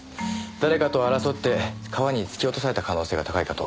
誰かと争って川に突き落とされた可能性が高いかと。